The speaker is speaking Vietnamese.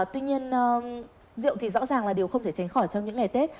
tuy nhiên rượu thì rõ ràng là điều không thể tránh khỏi trong những ngày tết